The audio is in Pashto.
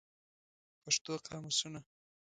پښتو قاموسونه